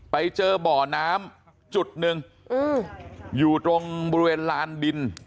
ไปเจอบ่อน้ำจุดหนึ่งอยู่ตรงบริเวณลานดิน